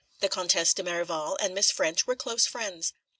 The Comtesse de Merival and Miss Ffrench were close friends.